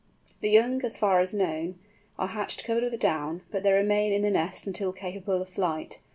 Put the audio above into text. The young, as far as is known, are hatched covered with down, but they remain in the nest until capable of flight.